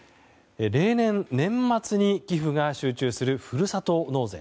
例年、年末に寄付が集中するふるさと納税。